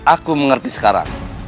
aku mengerti sekarang